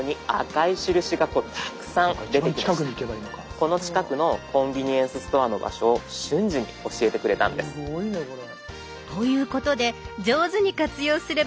この近くのコンビニエンスストアの場所を瞬時に教えてくれたんです。ということで上手に活用すれば便利な地図。